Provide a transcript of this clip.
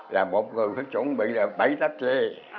là một người phải chuẩn bị bẫy táp chê